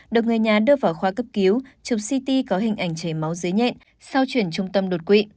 được người nhà đưa vào khoa cấp cứu chụp ct có hình ảnh chảy máu dưới nhẹ sau chuyển trung tâm đột quỵ